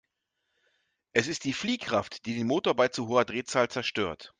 Es ist die Fliehkraft, die den Motor bei zu hoher Drehzahl zerstört.